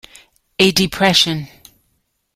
A depression.